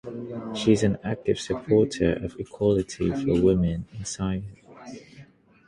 She is an active supporter of equality for women in science.